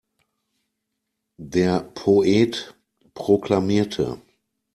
Der Poet proklamierte.